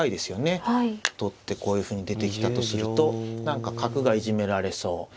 取ってこういうふうに出てきたとすると何か角がいじめられそう。